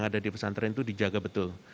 ada di pesantren itu dijaga betul